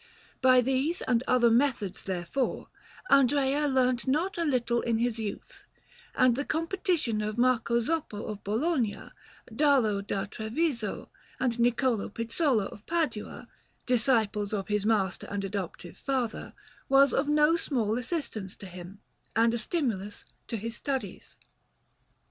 By these and other methods, therefore, Andrea learnt not a little in his youth; and the competition of Marco Zoppo of Bologna, Darlo da Treviso, and Niccolò Pizzolo of Padua, disciples of his master and adoptive father, was of no small assistance to him, and a stimulus to his studies.